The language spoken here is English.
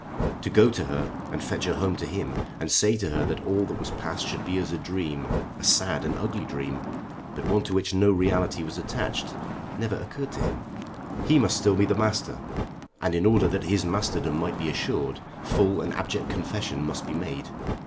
To go to her and fetch her home to him, and say to her that all that was past should be as a dream, a sad and ugly dream, but one to which no reality was attached, never occurred to him. He must still be the master, and, in order that his masterdom might be assured, full and abject confession must be made.